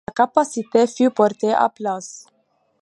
La capacité fut portée à places.